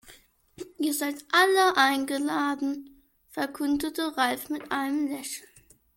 "Ihr seid alle eingeladen", verkündete Ralf mit einem Lächeln.